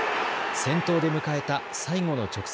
先頭で迎えた最後の直線。